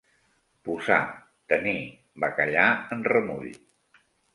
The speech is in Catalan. Posar, tenir, bacallà en remull.